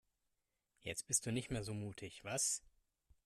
Jetzt bist du nicht mehr so mutig, was?